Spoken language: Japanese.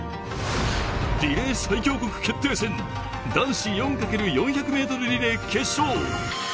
リレー最強国決定戦、男子４×４００ｍリレー決勝。